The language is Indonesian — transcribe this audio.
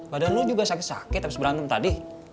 padahal kamu juga sakit sakit abis berantem tadi